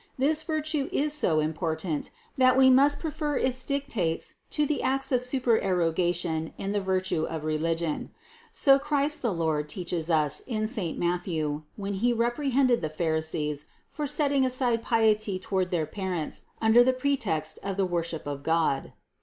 This virtue is so important, that we must prefer its dictates to the acts of supererogation in the virtue of religion. So Christ the Lord teaches us in saint Matthew, when He reprehended the pharisees for setting aside piety toward their parents under the pre text of the worship of God.